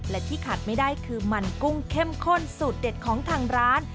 และที่ขัดไม่ได้คือมันกุ้งเข้มข้นสูตรเด็ดของทางร้าน